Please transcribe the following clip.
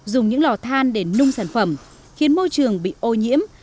dùng những lò than để nung sản phẩm khiến môi trường bị ô nhiễm